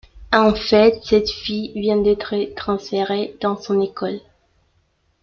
En fait cette fille vient d’être transférée dans son école.